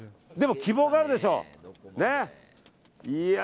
でも希望があるでしょ。